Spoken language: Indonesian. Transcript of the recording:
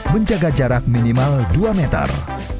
menjaga jarak minimal dua meter